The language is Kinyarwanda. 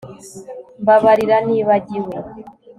Mbabarira Nibagiwe